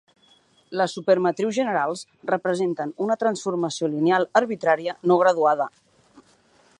Les supermatrius generals representen una transformació lineal arbitrària no graduada.